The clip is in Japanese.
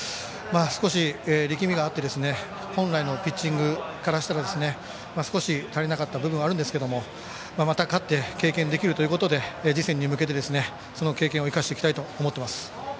少し力みがあって本来のピッチングからしたら少し、足りなかった部分はあるんですがまた勝って経験できるということで次戦に向けて、その経験を生かしていきたいと思っています。